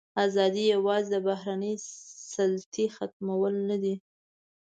ازادي یوازې د بهرنۍ سلطې ختمول نه دي.